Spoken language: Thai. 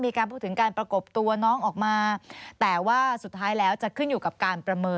มีการพูดถึงการประกบตัวน้องออกมาแต่ว่าสุดท้ายแล้วจะขึ้นอยู่กับการประเมิน